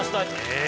え！